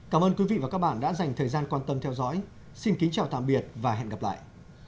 cảm ơn quý vị và các bạn đã dành thời gian quan tâm theo dõi xin kính chào tạm biệt và hẹn gặp lại